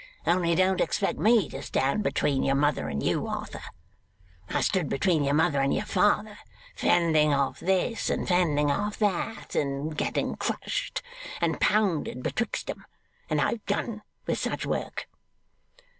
only don't expect me to stand between your mother and you, Arthur. I stood between your mother and your father, fending off this, and fending off that, and getting crushed and pounded betwixt em; and I've done with such work.